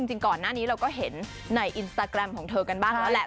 จริงก่อนหน้านี้เราก็เห็นในอินสตาแกรมของเธอกันบ้างแล้วแหละ